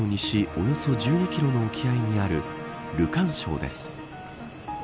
およそ１２キロの沖合にあるルカン礁です。